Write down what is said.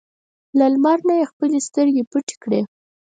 له لمر نه یې خپلې سترګې پټې کړې.